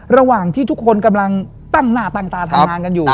ระหว่างที่ทุกคนกำลังตั้งหน้าตั้งตาทำงานกันอยู่